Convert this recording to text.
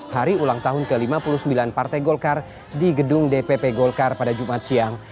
hari ulang tahun ke lima puluh sembilan partai golkar di gedung dpp golkar pada jumat siang